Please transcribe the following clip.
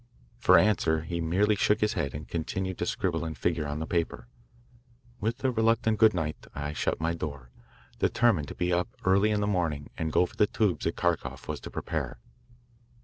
For answer he merely shook his head and continued to scribble and figure on the paper. With a reluctant good night I shut my door, determined to be up early in the morning and go for the tubes that Kharkoff was to prepare.